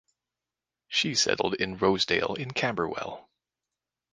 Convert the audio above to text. She settled in Rosedale in Camberwell.